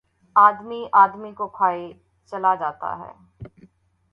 آدمی، آدمی کو کھائے چلا جاتا ہے